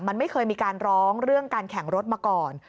มันไม่เคยมีการร้องเรื่องการแข่งรถมาก่อน